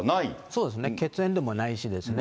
そうですね、血縁でもないしですね。